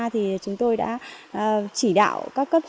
thì chúng tôi đã chỉ đạo các cấp chỉ huyện